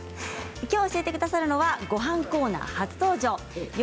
きょう、教えてくださるのはごはんコーナー初登場。